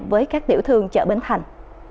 với các tiểu thương chợ bến thành